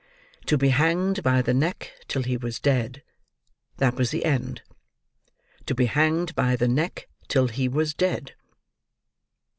To be hanged by the neck, till he was dead—that was the end. To be hanged by the neck till he was dead.